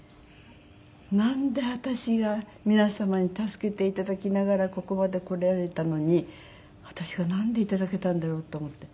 なんで私が皆様に助けて頂きながらここまで来られたのに私がなんで頂けたんだろう？と思って。